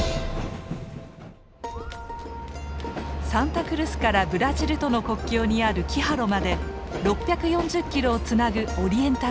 サンタクルスからブラジルとの国境にあるキハロまで６４０キロをつなぐオリエンタル鉄道。